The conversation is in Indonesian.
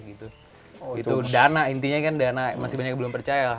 itu dana intinya kan dana masih banyak yang belum percaya